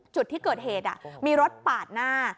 จุดที่เกิดเหตุมีรถปาดหน้า